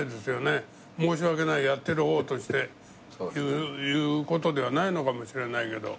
申し訳ないやってる方として言うことではないのかもしれないけど。